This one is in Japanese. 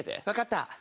わかった。